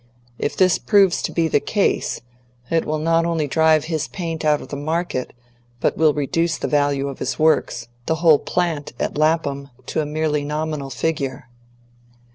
If this proves to be the case, it will not only drive his paint out of the market, but will reduce the value of his Works the whole plant at Lapham to a merely nominal figure."